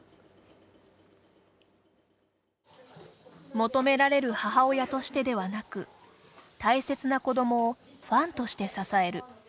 求められる母親としてではなく大切な子どもをファンとして支える。